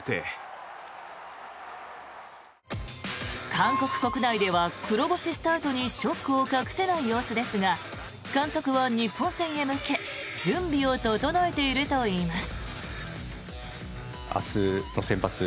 韓国国内では黒星スタートにショックを隠せない様子ですが監督は日本戦へ向け準備を整えているといいます。